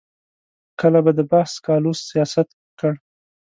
کله به د بحث سکالو سیاست کړ.